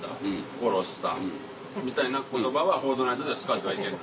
「殺した」みたいな言葉は『フォートナイト』では使ってはいけない。